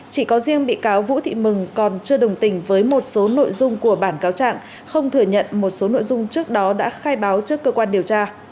chỉ có riêng bị cáo vũ thị mừng còn chưa đồng tình với một số nội dung của bản cáo trạng không thừa nhận một số nội dung trước đó đã khai báo trước cơ quan điều tra